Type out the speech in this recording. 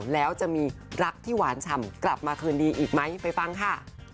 แล้วจะมีรักที่หวานฉ่ำกลับมาคืนดีอีกไหมไปฟังค่ะ